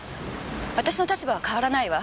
私の立場は変わらないわ。